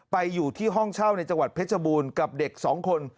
อยู่ที่ห้องเช่าในจังหวัดเพชรบูรณ์กับเด็กสองคน